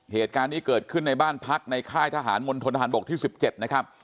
เหตุการณ์นี้เกิดขึ้นในบ้านพักในค่ายทหารมณฑนทหารบกที่๑๗นะครับ